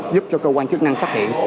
giúp cho cơ quan chức năng phát hiện